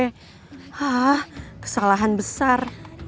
hah kesalahan besar